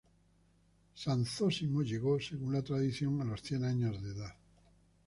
San Zósimo llegó, según la tradición, a los cien años de edad.